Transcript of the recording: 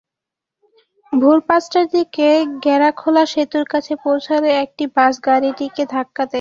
ভোর পাঁচটার দিকে গেড়াখোলা সেতুর কাছে পৌঁছালে একটি বাস গাড়িটিকে ধাক্কা দেয়।